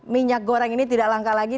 minyak goreng ini tidak langka lagi